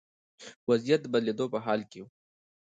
وضعیت د بدلېدو په حال کې و.